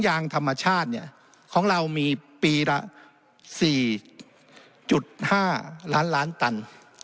ยางธรรมชาติเนี่ยของเรามีปีละ๔๕ล้านล้านตัน